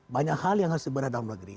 banyak hal yang harus dibenah dalam negeri